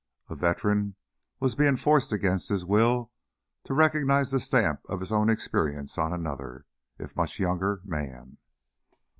A veteran was being forced against his will to recognize the stamp of his own experience on another, if much younger, man.